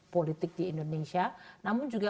politik di indonesia namun juga